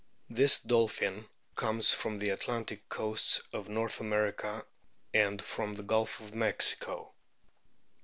This dolphin comes from the Atlantic coasts of North America and from the Gulf of Mexico.